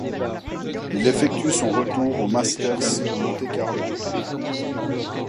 Il effectue son retour au Masters de Monte-Carlo.